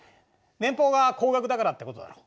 年俸が高額だからってことだろ。